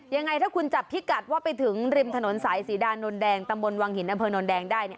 ยังไงถ้าคุณจับพิกัดว่าไปถึงริมถนนสายศรีดานนแดงตำบลวังหินอำเภอนนแดงได้เนี่ย